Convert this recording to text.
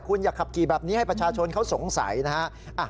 คุณอย่าขับขี่แบบนี้ให้ประชาชนเขาสงสัยนะฮะ